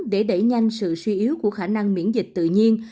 để đẩy nhanh sự suy yếu của khả năng miễn dịch tự nhiên